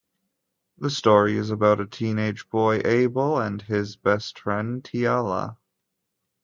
The story is about a teenage boy, Abel, and his best friend, Tiala.